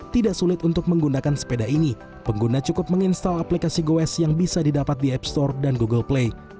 tidak sulit untuk menggunakan sepeda ini pengguna cukup menginstal aplikasi goes yang bisa didapat di app store dan google play